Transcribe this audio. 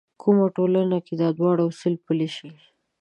کومه ټولنه کې دا دواړه اصول پلي شي.